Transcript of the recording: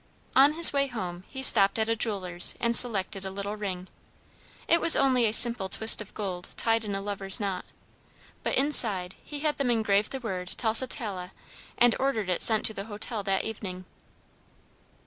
On his way home he stopped at a jeweller's, and selected a little ring. It was only a simple twist of gold tied in a lover's knot, but inside he had them engrave the word, "Tusitala," and ordered it sent to the hotel that evening.